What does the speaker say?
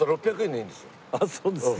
あっそうですか。